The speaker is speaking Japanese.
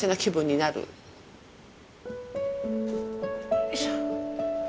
よいしょ。